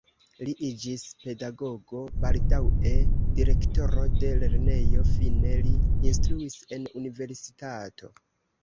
Li iĝis pedagogo, baldaŭe direktoro de lernejo, fine li instruis en universitato.